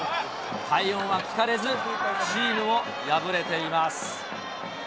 快音は聞かれず、チームも敗れています。